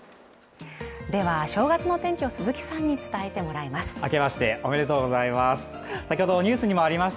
正月の天気を鈴木さんに伝えてもらいます。